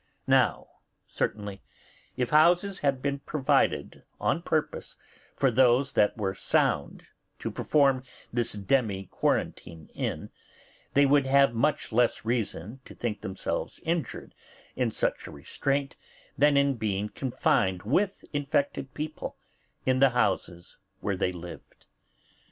Now, certainly, if houses had been provided on purpose for those that were sound to perform this demi quarantine in, they would have much less reason to think themselves injured in such a restraint than in being confined with infected people in the houses where they lived.